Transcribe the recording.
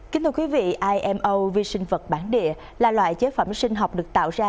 kính thưa quý vị imo vi sinh vật bản địa là loại chế phẩm sinh học được tạo ra